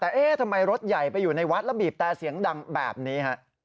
แต่เอ๊ะทำไมรถใหญ่ไปอยู่ในวัดแล้วบีบแต่เสียงดังแบบนี้ฮะ